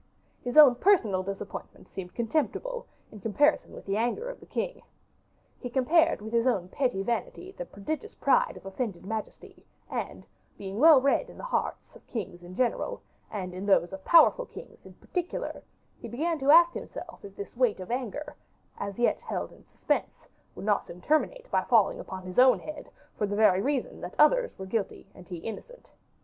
His own personal disappointment seemed contemptible, in comparison with the anger of the king. He compared with his own petty vanity the prodigious pride of offended majesty; and, being well read in the hearts of kings in general, and in those of powerful kings in particular, he began to ask himself if this weight of anger, as yet held in suspense, would not soon terminate by falling upon his own head, for the very reason that others were guilty, and he innocent.